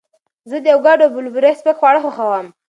زه د اوکاډو او بلوبېري سپک خواړه خوښوم.